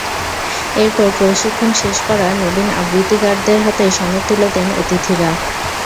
এরপর প্রশিক্ষণ শেষ করা নবীন আবৃত্তিকারদের হাতে সনদ তুলে দেন অতিথিরা।